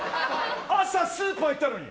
朝スーパー行ったのに。